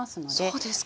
そうですか。